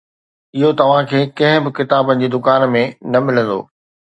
اهو توهان کي ڪنهن به ڪتابن جي دڪان ۾ نه ملندو.